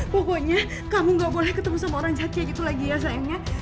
pokoknya kamu gak boleh ketemu sama orang jahat kayak gitu lagi ya sayang